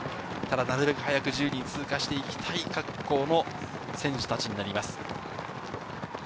なるべく早く１０人通過していきたい各校の選手たちになります。